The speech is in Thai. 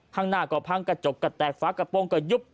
ข้างหน้าก็พังกระจกก็แตกฝากระโปรงก็ยุบ